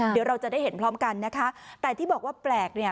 เดี๋ยวเราจะได้เห็นพร้อมกันนะคะแต่ที่บอกว่าแปลกเนี่ย